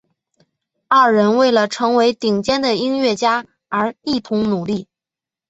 二人为了成为顶尖的音乐家而一同努力。